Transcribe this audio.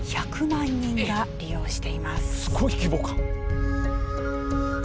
すごい規模感！